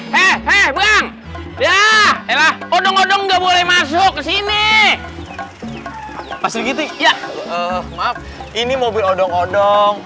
hehehe bang ya ella odong odong nggak boleh masuk ke sini pas begitu ya maaf ini mobil odong odong